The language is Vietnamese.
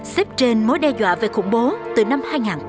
xếp trên mối đe dọa về khủng bố từ năm hai nghìn một mươi